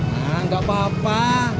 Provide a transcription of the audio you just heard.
nah gak apa apa